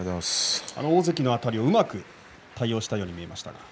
大関のあたりを、うまく対応したように見えました。